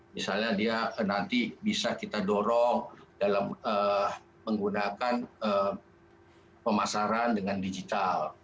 misalnya dia nanti bisa kita dorong dalam menggunakan pemasaran dengan digital